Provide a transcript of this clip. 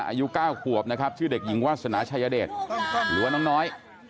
อายุ๙ขวบนะครับชื่อเด็กหญิงวาสนาชายเดชหรือว่าน้องน้อย